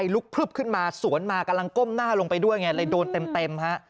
ลุกพลึบขึ้นมาสวนมากำลังก้มหน้าลงไปด้วยไงเลยโดนเต็มฮะ